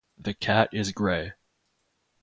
The cat is grey.